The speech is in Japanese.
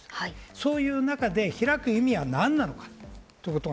そういう中で開く意味は何なのか。